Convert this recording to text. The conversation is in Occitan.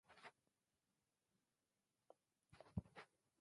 Qu'auie eth ròstre banhat de shudor.